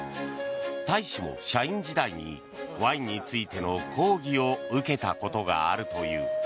大使も社員時代にワインについての講義を受けたことがあるという。